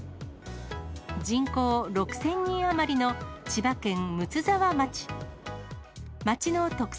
人口６０００人余りの千葉県睦沢町。